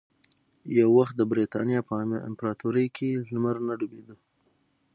یو وخت د برېتانیا په امپراتورۍ کې لمر نه ډوبېده.